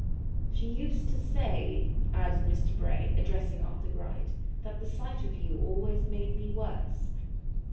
She used to say,' added Mr. Bray, addressing Arthur Gride, 'that the sight of you always made me worse.